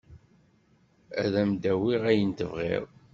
Ad m-d-awiɣ ayen tebɣiḍ.